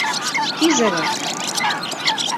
Кӱзылык!